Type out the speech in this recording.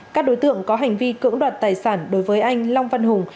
các đối tượng có hành vi cưỡng đoạt tài sản đối với anh long văn hùng